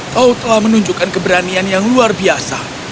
kau telah menunjukkan keberanian yang luar biasa